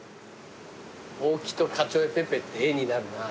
大木とカチョエペペって絵になるな。